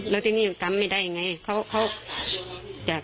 แล้วทีนี้ยังจำไม่ได้ไง